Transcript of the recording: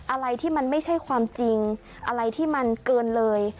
อะไรที่มันไม่ใช่ความจริงอะไรที่มันเกินเลย